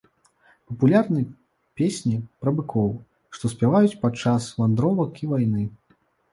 Папулярны песні пра быкоў, што спяваюць падчас вандровак і вайны.